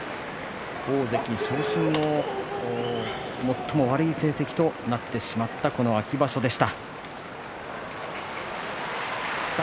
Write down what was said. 大関昇進後最も悪い成績になってしまった秋場所です。